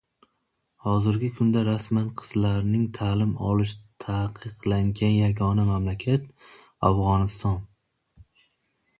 Hozirgi kunda, rasman qizlarni taʼlim olishi taqiqlangan yagona mamlakat Afgʻoniston.